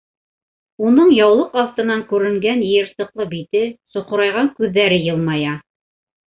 Уның яулыҡ аҫтынан күренгән йыйырсыҡлы бите, соҡорайған күҙҙәре йылмая.